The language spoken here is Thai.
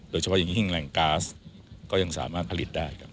โดยเฉพาะอย่างนี้แหล่งกาสก็ยังสามารถผลิตได้